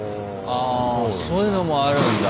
ああそういうのもあるんだ。